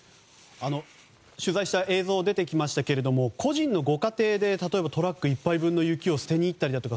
取材した映像出てきましたが、個人のご家庭で例えばトラック１杯分の雪を捨てに行ったりだとか